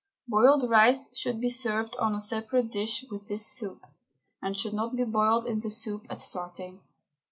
Boiled rice should be served on a separate dish with this soup, and should not be boiled in the soup at starting.